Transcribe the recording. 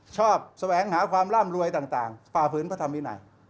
แสวงหาความร่ำรวยต่างฝ่าฝืนพระธรรมวินัย